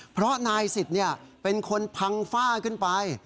เพราะนายสิทธิ์เป็นคนพังฝ้าขึ้นไป